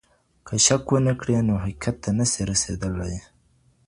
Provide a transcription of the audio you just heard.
که شک ونه کړې نو حقیقت ته نه سې رسېدلی.